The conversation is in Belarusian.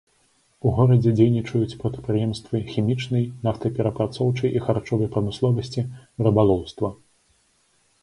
У горадзе дзейнічаюць прадпрыемствы хімічнай, нафтаперапрацоўчай і харчовай прамысловасці, рыбалоўства.